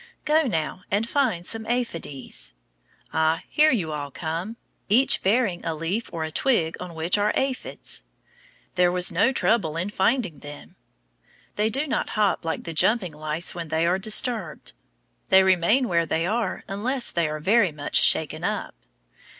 Go now, and find some aphides. Ah, here you all come, each bearing a leaf or a twig on which are aphids. There was no trouble in finding them! They do not hop like the jumping plant lice when they are disturbed. They remain where they are unless they are very much shaken up.